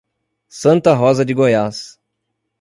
Santa Rosa de Goiás